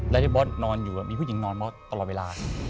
แล้วที่บอสนอนอยู่มีผู้หญิงนอนมอสตลอดเวลา